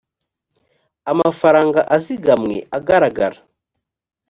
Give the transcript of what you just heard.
amafaranga azigamwe agaragara